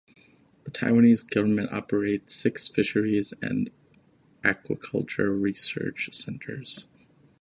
The Taiwanese government operates six fisheries and aquaculture research centers.